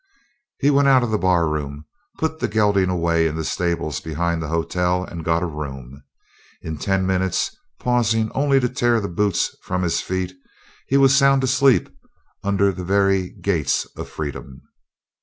He went out of the barroom, put the gelding away in the stables behind the hotel, and got a room. In ten minutes, pausing only to tear the boots from his feet, he was sound asleep under the very gates of freedom.